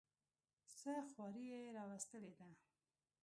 څه خواري یې راوستلې ده.